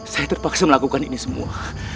saya terpaksa melakukan ini semua